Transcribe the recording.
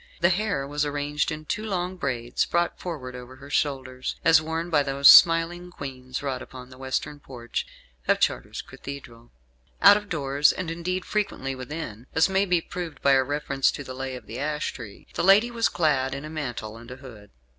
The hair was arranged in two long braids, brought forward over her shoulders; as worn by those smiling Queens wrought upon the western porch of Chartres Cathedral. Out of doors, and, indeed, frequently within, as may be proved by a reference to "The Lay of the Ash Tree," the lady was clad in a mantle and a hood.